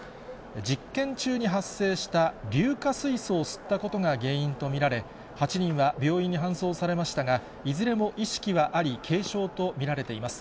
実験中に発生した硫化水素を吸ったことが原因と見られ、８人は病院に搬送されましたが、いずれも意識はあり、軽症と見られています。